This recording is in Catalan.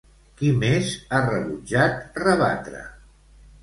Qui més ha rebutjat rebatre?